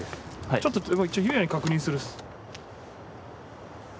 ちょっと一応雄也に確認するっす。